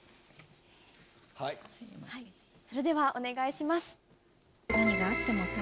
それではお願いします。